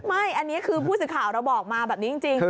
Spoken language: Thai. ไม่อันนี้คือผู้สื่อข่าวเราบอกมาแบบนี้จริง